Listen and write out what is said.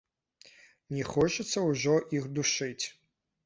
Не хочацца ўжо іх душыць.